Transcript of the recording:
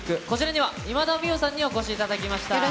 こちらには、今田美桜さんにお越しいただきました。